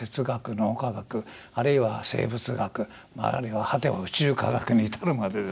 脳科学あるいは生物学あるいは果ては宇宙科学に至るまでですね